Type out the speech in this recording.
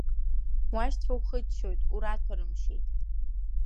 Уашьцәа ухыччоит, ураҭәарымшьеит.